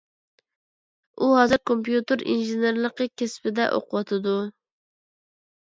ئۇ ھازىر كومپيۇتېر ئىنژېنېرلىقى كەسپىدە ئوقۇۋاتىدۇ.